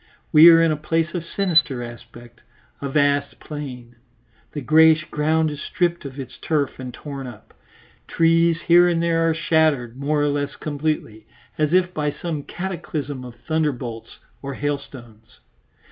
We are in a place of sinister aspect, a vast plain; the greyish ground is stripped of its turf and torn up; trees here and there are shattered more or less completely, as if by some cataclysm of thunderbolts or hailstones.